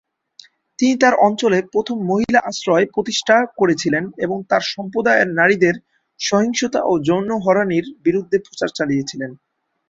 তিনি তার অঞ্চলে প্রথম মহিলাআশ্রয় প্রতিষ্ঠা করেছিলেন এবং তার সম্প্রদায়ের নারীদের সহিংসতা ও যৌন হয়রানির বিরুদ্ধে প্রচার চালিয়েছিলেন।